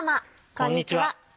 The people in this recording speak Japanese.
こんにちは。